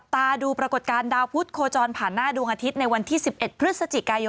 ทุกคนรอเลย